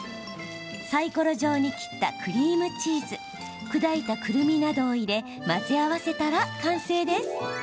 サイコロ状に切ったクリームチーズ砕いた、くるみなどを入れ混ぜ合わせたら完成です。